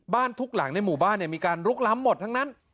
บ้านทุกหลังในหมู่บ้านเนี่ยมีการรุกล้ำหมดทั้งนั้น